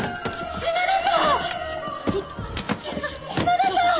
島田さん！